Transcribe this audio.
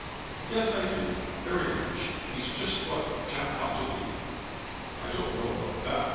"Yes, I do; very much. He's just what Jack ought to be." "I don't know about that.